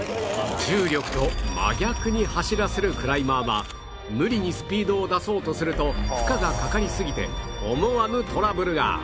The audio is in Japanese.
重力と真逆に走らせるクライマーは無理にスピードを出そうとすると負荷がかかりすぎて思わぬトラブルが